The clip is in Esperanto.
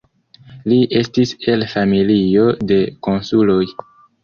Li estis el familio de konsuloj.